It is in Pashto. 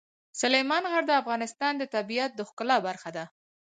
سلیمان غر د افغانستان د طبیعت د ښکلا برخه ده.